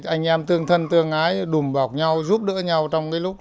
anh em tương thân tương ái đùm bọc nhau giúp đỡ nhau trong cái lúc